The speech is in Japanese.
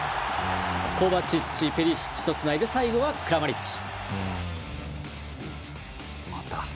コバチッチペリシッチとつないで最後はクラマリッチ。